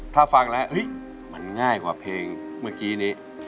ถ้าฟังแล้วมันง่ายกว่าเพลงเมื่อกี้นี้